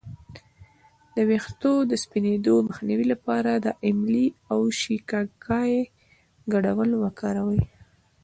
د ویښتو د سپینیدو مخنیوي لپاره د املې او شیکاکای ګډول وکاروئ